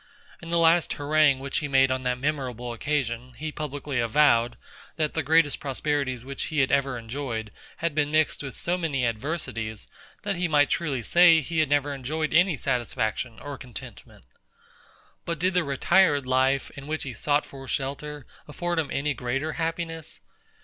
In the last harangue which he made on that memorable occasion, he publicly avowed, that the greatest prosperities which he had ever enjoyed, had been mixed with so many adversities, that he might truly say he had never enjoyed any satisfaction or contentment. But did the retired life, in which he sought for shelter, afford him any greater happiness?